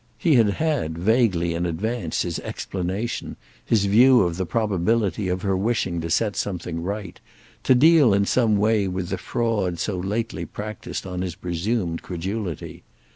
He had had, vaguely, in advance, his explanation, his view of the probability of her wishing to set something right, to deal in some way with the fraud so lately practised on his presumed credulity.